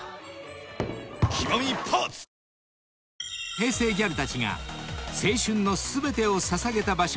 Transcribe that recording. ［平成ギャルたちが青春の全てを捧げた場所